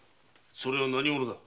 それは何者だ？